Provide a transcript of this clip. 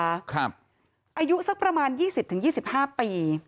อายุสักประมาณ๒๐๒๕ปี